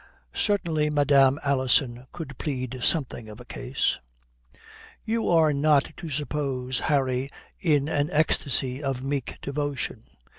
Certainly Madame Alison could plead something of a case. You are not to suppose Harry in an ecstasy of meek devotion.